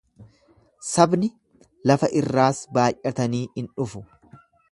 Sabni lafa irraas baay'atanii in dhufu.